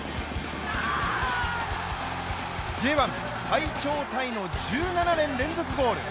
Ｊ１最長タイの１７年連続ゴール。